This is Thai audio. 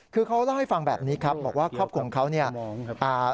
คือเขาเล่าให้ฟังแบบนี้ครับบอกว่าครอบครัวของเขาเนี่ยอ่า